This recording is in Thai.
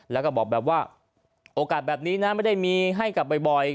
แล้วก็บอกแบบว่าโอกาสแบบนี้นะไม่ได้มีให้กลับบ่อย